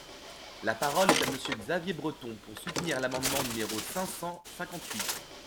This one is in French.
La parole est à Monsieur Xavier Breton, pour soutenir l’amendement numéro cinq cent cinquante-huit.